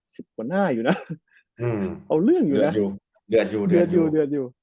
สิบกว่าหน้าแล้วนะเอาเรื่องเลยนะเดือดอยู่